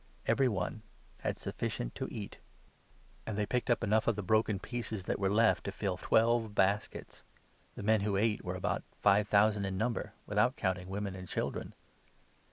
Every one had sufficient to eat, and they picked up MATTHEW, 14 15. .69 enough of the broken pieces that were left to fill twelve baskets. The men who ate were about five thousand in 21 number, without counting women and children.